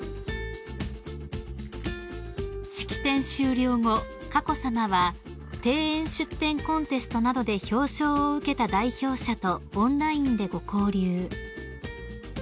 ［式典終了後佳子さまは庭園出展コンテストなどで表彰を受けた代表者とオンラインでご交流］